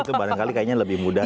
itu barangkali kayaknya lebih mudah